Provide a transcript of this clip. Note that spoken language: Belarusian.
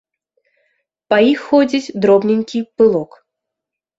Па іх ходзіць дробненькі пылок.